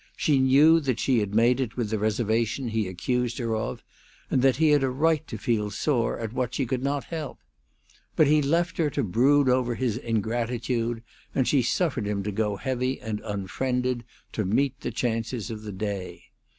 She knew that she had made it with the reservation he accused her of, and that he had a right to feel sore at what she could not help. But he left her to brood over his ingratitude, and she suffered him to go heavy and unfriended to meet the chances of the day.